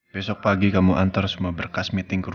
besok pagi kamu antar semua berkas menangkapku